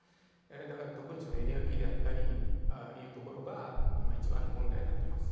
だから、特にエネルギーであったりというところが今、一番の問題になっています。